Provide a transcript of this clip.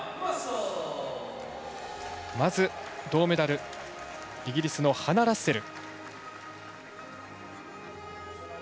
まず、銅メダルイギリスのハナ・ラッセル。